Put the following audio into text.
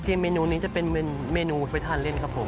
เมนูนี้จะเป็นเมนูไปทานเล่นครับผม